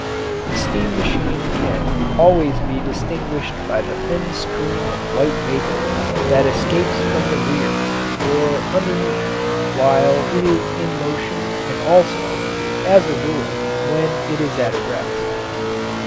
The steam machine can always be distinguished by the thin stream of white vapour that escapes from the rear or underneath while it is in motion and also, as a rule, when it is at rest.